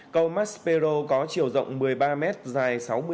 cầu maspero có chiều rộng một mươi ba mét dài sáu mươi m